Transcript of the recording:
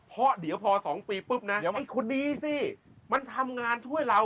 เพราะเดี๋ยวพอ๒ปีปุ๊บนะเดี๋ยวไอ้คนนี้สิมันทำงานช่วยเรา